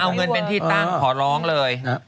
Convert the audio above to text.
เอาเงินเป็นที่ตั้งขอร้องเลย